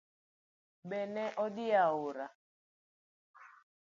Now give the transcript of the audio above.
Be ne idhi aora?